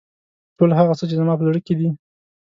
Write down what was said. ټول هغه څه چې زما په زړه کې دي.